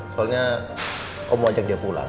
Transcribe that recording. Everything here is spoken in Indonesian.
soalnya kamu mau ajak dia pulang